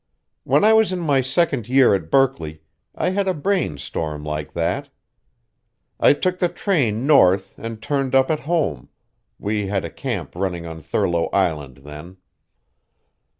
When I was in my second year at Berkeley I had a brain storm like that. I took the train north and turned up at home we had a camp running on Thurlow Island then.